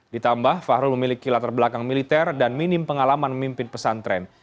ditambah fahrul memiliki latar belakang militer dan minim pengalaman memimpin pesantren